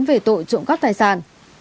về tội trộm các tài sản